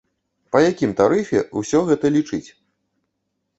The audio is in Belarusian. Па якім тарыфе ўсё гэта лічыць?